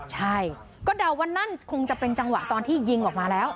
ใช่ก็เดาว่านั่นคงจะเป็นจังหวะตอนที่ยิงออกมาแล้ว